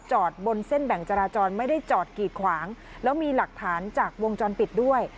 บนเส้นแบ่งจราจรไม่ได้จอดกีดขวางแล้วมีหลักฐานจากวงจรปิดด้วย